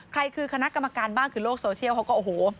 ใครคือคณะกรรมการบ้างคือโลกโซเชียลเขาก็โอ้โห